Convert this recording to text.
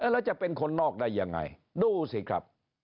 แล้วจะเป็นคนนอกได้ยังไงดูสิครับ